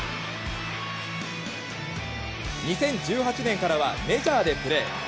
２０１８年からはメジャーでプレー。